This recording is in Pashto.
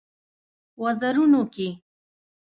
وزرونو کې